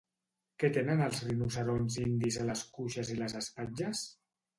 Què tenen els rinoceronts indis a les cuixes i les espatlles?